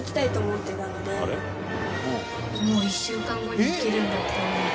もう１週間後に行けるんだって思うと。